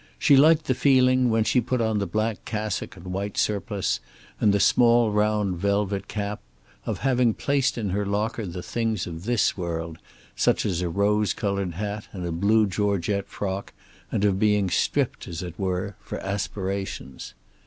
She liked the feeling, when she put on the black cassock and white surplice and the small round velvet cap of having placed in her locker the things of this world, such as a rose colored hat and a blue georgette frock, and of being stripped, as it were, for aspirations.